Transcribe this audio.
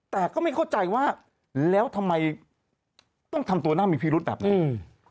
แต่ก็ไม่เข้าใจว่าแล้วทำไมต้องทำตัวหน้ามีพิรุธแบบนี้อืม